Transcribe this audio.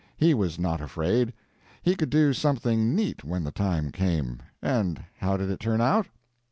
He was not afraid. He could do something neat when the time came. And how did it turn out?